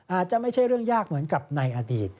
อาจจะไม่ใช่เรื่องยากเหมือนกับในอดีต